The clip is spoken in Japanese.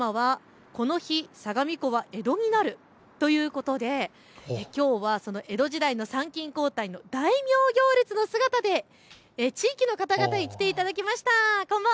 テーマはこの日、相模湖は江戸になるということで、きょうは江戸時代の参勤交代の大名行列の衣装で地域の方に来ていただきました。